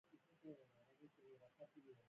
د شوتلې اوبه د وینې پاکولو لپاره وڅښئ